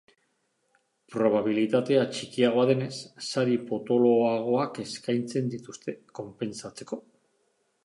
Probabilitatea txikiagoa denez, sari potoloagoak eskaintzen dituzte, konpentsatzeko.